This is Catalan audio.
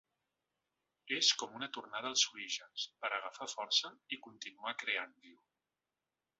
És com una tornada als orígens per a agafar força i continuar creant, diu.